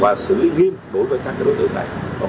và xử nghiêm đối với các đối tượng này